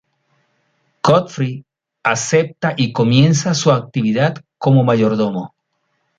Godfrey acepta y comienza su actividad como mayordomo.